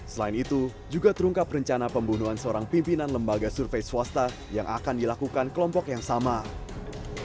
polisi mengatakan upaya pembunuhan ini diperintahkan tersangka az dan akan dilaksanakan oleh ir yang menerima uang sebesar lima juta rupiah